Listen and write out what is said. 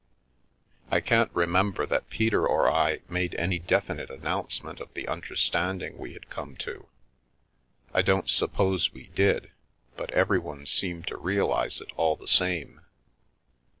I can't remember that Peter or I made any definite announcement of the understanding we had come to; I don't suppose we did, but everyone seemed to realise it, all the same.